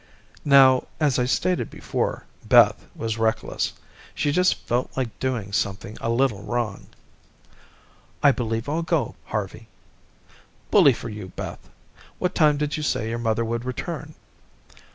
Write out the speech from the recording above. Now, as stated before, Beth was reckless. She Just felt like doing something a little wrong. "I believe I'll go, Harvey." "Bully for you, Beth. What time did you say your mother would return?"